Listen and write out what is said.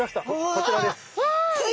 こちらです。